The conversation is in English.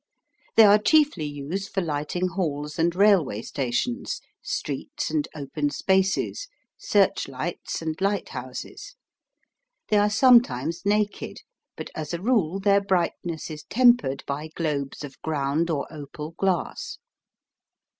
They are chiefly used for lighting halls and railway stations, streets and open spaces, search lights and lighthouses. They are sometimes naked, but as a rule their brightness is tempered by globes of ground or opal glass.